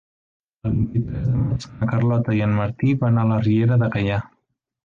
El vint-i-tres de maig na Carlota i en Martí van a la Riera de Gaià.